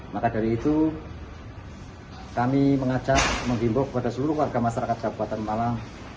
maka dari itu kami mengajak menghimbau kepada seluruh warga masyarakat kabupaten malang